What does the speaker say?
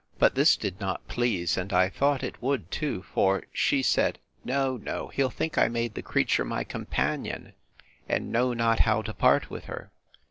But this did not please; and I thought it would too; for she said, No, no, he'll think I make the creature my companion, and know not how to part with her.